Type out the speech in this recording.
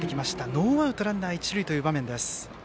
ノーアウトランナー、一塁という場面です。